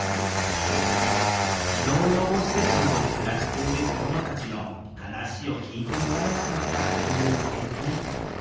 児童養護施設などで暮らしている子どもたちの話を聴いてもらえなかったという経験。